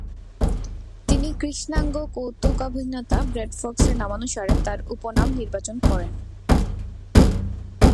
তিনি কৃষ্ণাঙ্গ কৌতুকাভিনেতা রেড ফক্সের নামানুসারে তার উপনাম নির্বাচন করেন।